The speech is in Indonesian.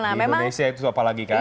di indonesia itu apalagi kan